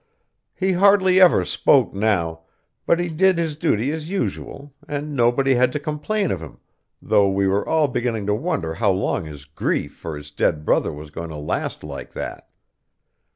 He hardly ever spoke now, but he did his duty as usual, and nobody had to complain of him, though we were all beginning to wonder how long his grief for his dead brother was going to last like that.